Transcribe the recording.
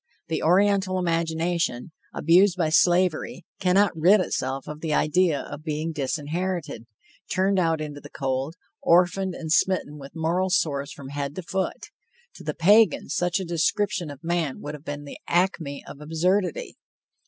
the Oriental imagination, abused by slavery, cannot rid itself of the idea of being disinherited, turned out into the cold, orphaned and smitten with moral sores from head to foot. To the Pagan, such a description of man would have been the acme of absurdity.